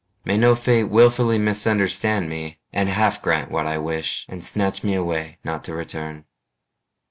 May no fate willfully misunderstand me And half grant what I wish and snatch me away Not to return.